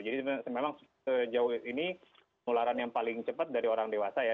jadi memang sejauh ini penularan yang paling cepat dari orang dewasa ya